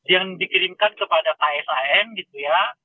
yang dikirimkan kepada kshn gitu ya